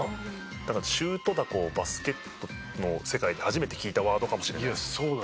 だからシュートだこバスケットの世界で初めて聞いたワードかもしれない。